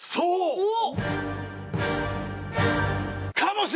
おっ！